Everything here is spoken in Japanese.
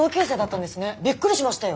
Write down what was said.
びっくりしましたよ。